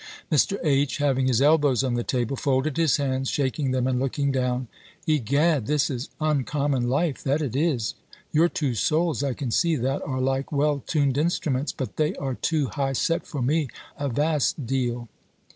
Mr. H., having his elbows on the table, folded his hands, shaking them, and looking down "Egad, this is uncommon life, that it is! Your two souls, I can see that, are like well tuned instruments; but they are too high set for me, a vast deal."